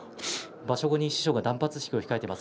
場所後に師匠が断髪式を控えています。